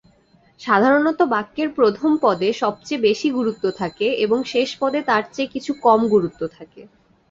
সাধারণত বাক্যের প্রথম পদে সবচেয়ে বেশি গুরুত্ব থাকে, এবং শেষ পদে তার চেয়ে কিছু কম গুরুত্ব থাকে।